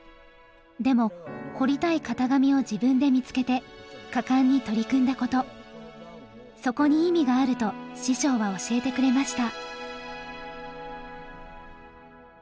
でも彫りたい型紙を自分で見つけて果敢に取り組んだことそこに意味があると師匠は教えてくれました。